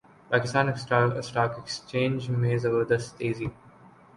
Pakistan stock exchange میں زبردست تیزی